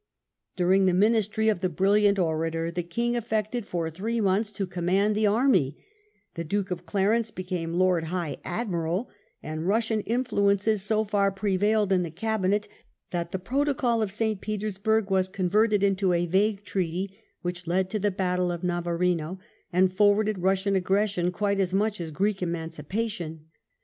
During the Ministry of the brilliant orator the King affected for three months to command the army; the Duke of Clarence became Lord High Admiral ; and Eussian influences so far prevailed in the Cabinet that the protocol of St. Petersburg was con verted into a vague treaty which led to the battle of Navarino, and forwarded Eussian aggression quite as much as Greek emancipation.